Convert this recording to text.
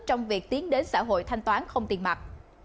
trong việc tiến đến xã hội thanh toán không tiền mặt